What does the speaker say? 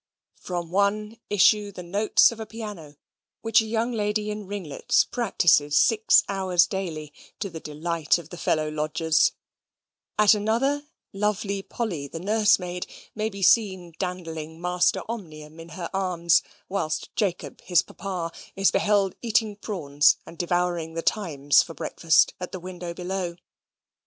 From one issue the notes of a piano, which a young lady in ringlets practises six hours daily, to the delight of the fellow lodgers: at another, lovely Polly, the nurse maid, may be seen dandling Master Omnium in her arms: whilst Jacob, his papa, is beheld eating prawns, and devouring the Times for breakfast, at the window below.